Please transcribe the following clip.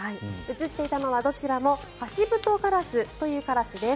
映っていたのはどちらもハシブトガラスというカラスです。